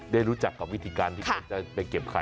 ได้รู้จักกับวิธีการที่เขาจะไปเก็บไข่